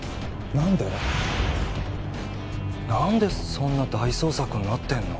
何でそんな大捜索になってんの？